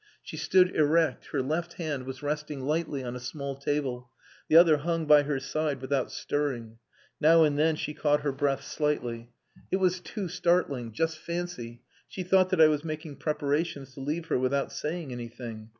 She stood erect, her left hand was resting lightly on a small table. The other hung by her side without stirring. Now and then she caught her breath slightly. "It was too startling. Just fancy! She thought that I was making preparations to leave her without saying anything.